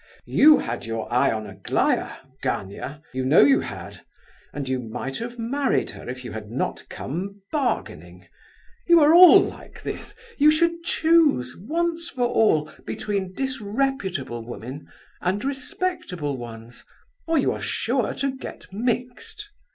You had your eye on Aglaya, Gania, you know you had; and you might have married her if you had not come bargaining. You are all like this. You should choose, once for all, between disreputable women, and respectable ones, or you are sure to get mixed.